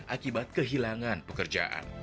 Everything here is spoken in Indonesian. akibat kehilangan pekerjaan